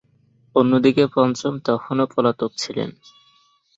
অন্যদিকে পঞ্চম তখনও পলাতক ছিল।